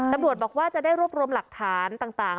ตำรวจบอกว่าจะได้รวบรวมหลักฐานต่าง